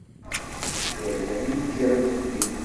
Tura kan i ččiɣ imekli.